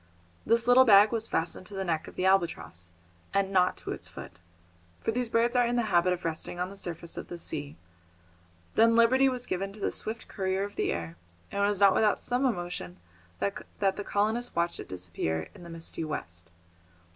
This little bag was fastened to the neck of the albatross, and not to its foot, for these birds are in the habit of resting on the surface of the sea; then liberty was given to this swift courier of the air, and it was not without some emotion that the colonists watched it disappear in the misty west.